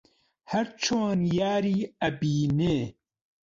هەر چۆن یاری ئەبینێ